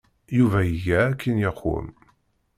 Yuba iga akken yeqwem.